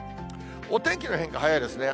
お天気の変化、早いですね。